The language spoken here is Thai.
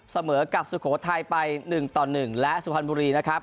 เสมอกับสุโขทัยไป๑ต่อ๑และสุพรรณบุรีนะครับ